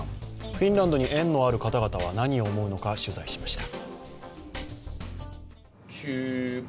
フィンランドに縁のある方々は何を思うのか、取材しました。